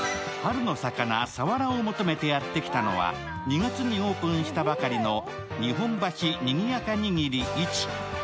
春の魚、さわらを求めてやってきたのは２月にオープンした日本橋にぎやかにぎり一。